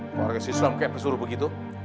keluarga haji sulam kayak pesuru begitu